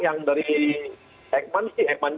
yang dari indonesia ya sinovac